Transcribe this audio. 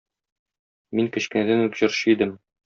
Мин кечкенәдән үк җырчы идем.